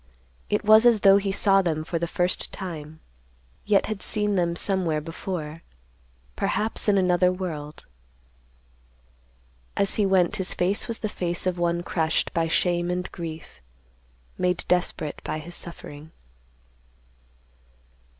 It was as though he saw them for the first time, yet had seen them somewhere before, perhaps in another world. As he went his face was the face of one crushed by shame and grief, made desperate by his suffering.